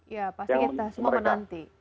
ya pasti kita semua menanti